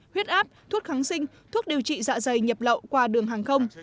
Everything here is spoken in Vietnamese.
huyết áp thuốc kháng sinh thuốc điều trị dạ dày nhập lậu qua đường hàng không